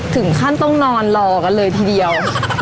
ถึงขั้นต้องนอนรอกันเลยทีเดียว